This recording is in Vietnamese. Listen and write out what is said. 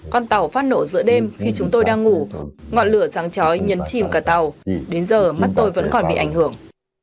con tàu phát nổ giữa đêm khi chúng tôi đang ngủ ngọn lửa ráng trói nhấn chìm cả tàu đến giờ mắt tôi vẫn còn bị ảnh hưởng